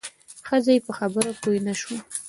ښځه یې په خبره پوه نه شوه.